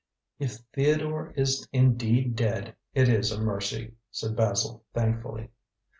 "If Theodore is indeed dead, it is a mercy," said Basil thankfully.